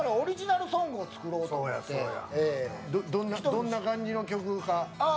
どんな感じの曲か。